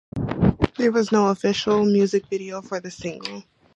There was no official music video for the single.